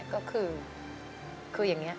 ก็คืออย่างนี้